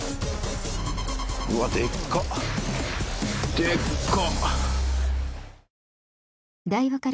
うわでっかでっか！